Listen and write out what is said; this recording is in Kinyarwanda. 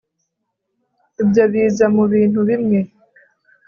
ibyo biza mubintu bimwe